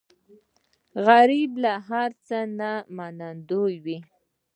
غریب له هر څه نه منندوی وي